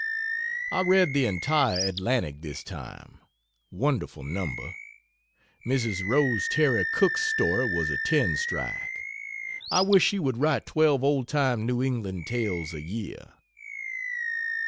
I read the entire Atlantic this time. Wonderful number. Mrs. Rose Terry Cooke's story was a ten strike. I wish she would write 12 old time New England tales a year.